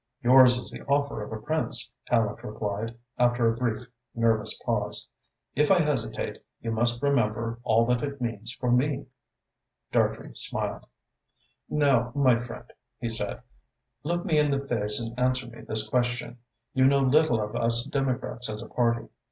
"Yours is the offer of a prince," Tallente replied, after a brief, nervous pause. "If I hesitate, you must remember all that it means for me." Dartrey smiled. "Now, my friend," he said, "look me in the face and answer me this question. You know little of us Democrats as a party.